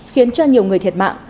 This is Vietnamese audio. khiến cho nhiều người thiệt mạng